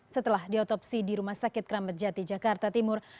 setelah diotopsi di rumah sakit keramat jati jakarta timur